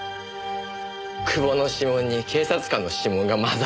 久保の指紋に警察官の指紋が混ざってたなんて。